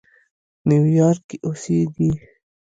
نیویارک کې اوسېږي.